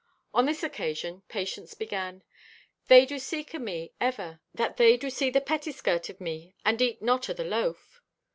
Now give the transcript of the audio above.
On this occasion Patience began: "They do seek o' me, ever; that they do see the pettiskirt o' me, and eat not o' the loaf!